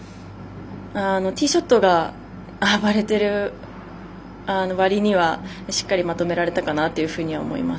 ティーショットが暴れてる割りにはしっかりまとめられてるかなとは思います。